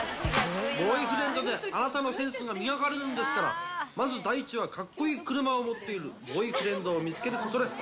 ボーイフレンドで、あなたのセンスが磨かれるんですから、まず、第一はかっこいい車を持っている、ボーイフレンドを見つけることです。